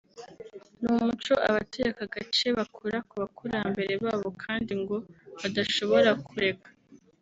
ni umuco abatuye aka gace bakura ku bakurambere babo kandi ngo badashobora kureka